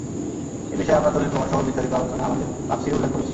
এ বিষয়ে আমরা দলীল-প্রমাণসহ বিস্তারিত আলোচনা আমাদের তাফসীরে উল্লেখ করেছি।